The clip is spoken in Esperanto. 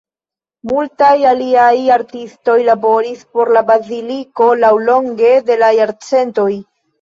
Multaj aliaj artistoj laboris por la baziliko laŭlonge de la jarcentoj.